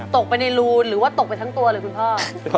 ตกไปในรูหรือว่าตกไปทั้งตัวเลยคุณพ่อ